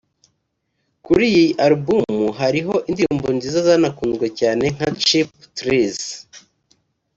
Kuri iyi alubumu hariho indirimbo nziza zanakunzwe cyane nka Cheap Thrills